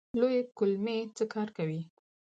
لویې کولمې څه کار کوي؟